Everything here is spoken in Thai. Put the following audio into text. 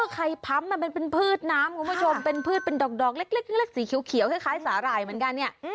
ไข่พ้ำมันเป็นพืชน้ำคุณผู้ชมเป็นพืชเป็นดอกเล็กสีเขียวคล้ายสาหร่ายเหมือนกันเนี่ย